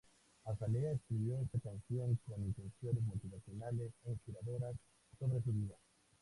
Azalea escribió esta canción con intenciones motivacionales e inspiradoras sobre su vida.